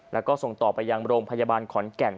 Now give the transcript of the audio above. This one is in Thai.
แล้วก็ส่งต่อไปยังโรงพยาบาลขอนแก่น